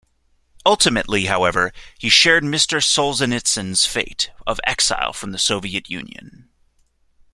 Ultimately, however, he shared Mr. Solzhenitsyn's fate of exile from the Soviet Union.